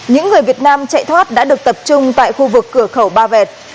những người việt nam chạy thoát đã được tập trung tại khu vực cửa khẩu ba vẹt